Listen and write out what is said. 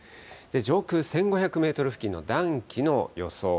上空１５００メートル付近の暖気の予想。